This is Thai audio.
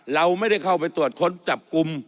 เราไม่ได้เข้าไปตรวจค้นจับกลุ่ม